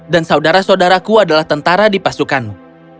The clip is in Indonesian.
dan saudara saudaraku adalah tentara di pasukanmu